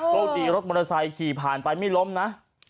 โชว์ดีรถมอเสร้าขี่ผ่านไปไม่ล้มนะ